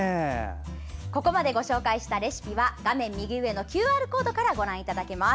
ここまでご紹介したレシピは画面右上のＱＲコードからご覧いただけます。